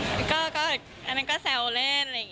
เหมือนแบบเวลาอยู่ด้วยกันก็รู้สึกว่าสลายใจดี